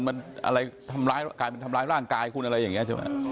มันทำร้ายร่างกายคุณอะไรอย่างนี้